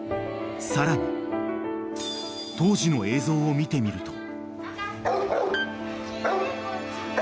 ［さらに当時の映像を見てみると］